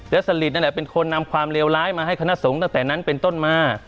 และสลิดนั่นแหละเป็นคนนำความเลวร้ายมาให้คณะสงฆ์ตั้งแต่นั้นเป็นต้นมา